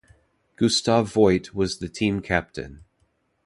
Gustave Voight was the team captain.